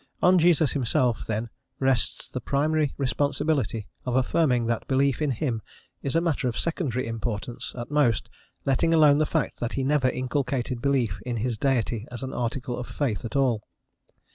On Jesus himself then rests the primary responsibility of affirming that belief in him is a matter of secondary importance, at most, letting alone the fact that he never inculcated belief in his Deity as an article of faith at all.